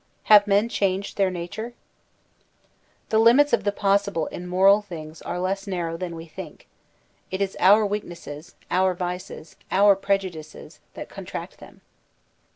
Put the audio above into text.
Have men changed their nature ? The limits of the possible in moral things are less nar row than we think; it is our weaknesses, our vices, our prejudices, that contract them.